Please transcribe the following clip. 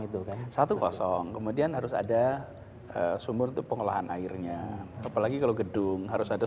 itu kan satu kosong kemudian harus ada sumur itu pengolahan airnya apalagi kalau gedung harus ada